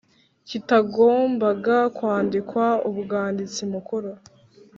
kitagombaga kwandikwa umwanditsi mukuru